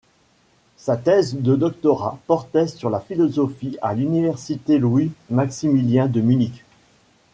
Sa thèse de doctorat portait sur la philosophie à l'Université Louis Maximilien de Munich.